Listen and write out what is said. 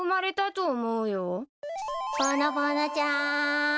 ぼのぼのちゃん